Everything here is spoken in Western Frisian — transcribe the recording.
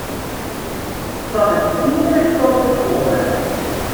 Fan it iene komt it oare.